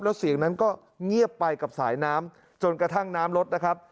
แล้วเสียงนั้นก็เงียบไปกับสายน้ำจนกระทั่งน้ำลดนะครับ